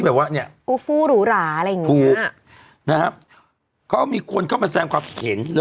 เอ้าไว้ถามจริง